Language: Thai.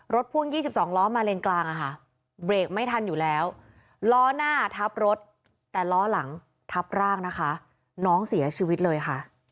รถน้องก็เลยพยายามพิษจะหักหลบ